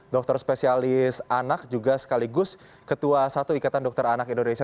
dokter spesialis anak juga sekaligus ketua satu ikatan dokter anak indonesia